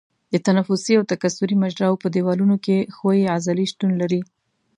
د تنفسي او تکثري مجراوو په دیوالونو کې ښویې عضلې شتون لري.